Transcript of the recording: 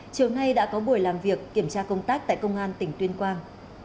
chiều nay đã có buổi làm việc kiểm tra công tác tại công an tỉnh tuyên quang